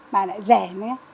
và lại rẻ nữa